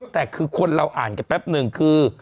แต่คือควรเราอ่านกันแปลปนึงคือ